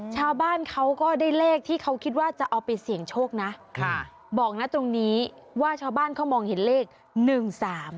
ชาวบ้านเขาก็ได้เลขที่เขาคิดว่าจะเอาไปเสี่ยงโชคนะค่ะบอกนะตรงนี้ว่าชาวบ้านเขามองเห็นเลขหนึ่งสาม